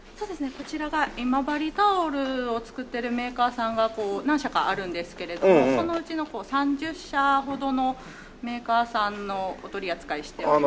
こちらが今治タオルを作ってるメーカーさんが何社かあるんですけれどもそのうちの３０社ほどのメーカーさんのお取り扱いしておりますね。